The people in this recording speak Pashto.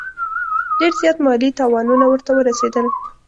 ډېر زیات مالي تاوانونه ورته ورسېدل.